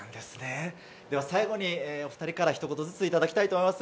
最後にお２人からひと言ずついただきたいと思います。